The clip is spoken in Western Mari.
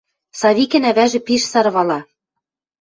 Савикӹн ӓвӓжӹ пиш сарвала: